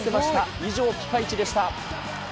以上、ピカイチでした。